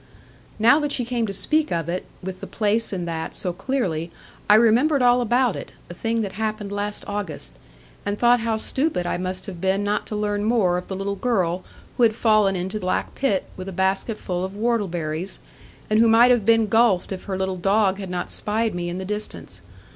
Now that she came to speak of it, with the place and that, so clearly, I remembered all about it (a thing that happened last August), and thought how stupid I must have been not to learn more of the little girl who had fallen into the black pit, with a basketful of whortleberries, and who might have been gulfed if her little dog had not spied me in the distance.